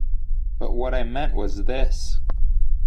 But what I meant was this.